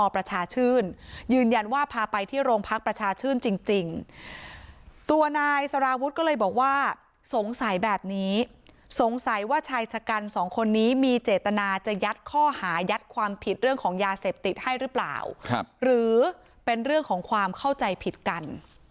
พระพุทธก็เลยบอกว่าสงสัยแบบนี้สงสัยว่าชายชะกันสองคนนี้มีเจตนาจะยัดข้อหายัดความผิดเรื่องของยาเสพติดให้หรือเปล่าครับหรือเป็นเรื่องของความเข้าใจผิดกัน